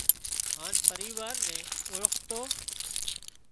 هانَ پريوار نين اوۯکتو